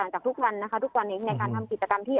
ซึ่งแต่ต่างจากทุกวันทุกวันในการทำกิจกรรมที่